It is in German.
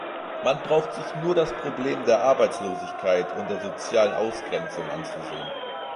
Man braucht sich nur das Problem der Arbeitslosigkeit und der sozialen Ausgrenzung anzusehen.